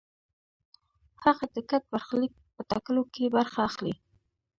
هغه د ګډ برخلیک په ټاکلو کې برخه اخلي.